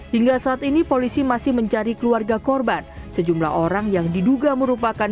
hingga saat ini polisi masih mencari keluarga korban sejumlah orang yang diduga merupakan